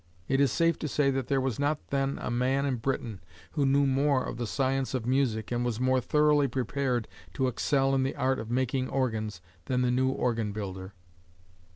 It is safe to say that there was not then a man in Britain who knew more of the science of music and was more thoroughly prepared to excel in the art of making organs than the new organ builder.